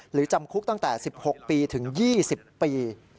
จำคุกตั้งแต่๑๖ปีถึง๒๐ปี